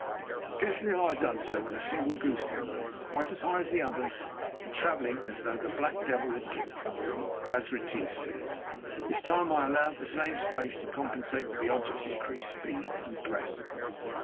Scarcely had I done so when a single goose came over quite as high as the others and travelling "as though the black devil had kicked it," as Retief said. This time I allowed the same space to compensate for the object's increased speed and pressed.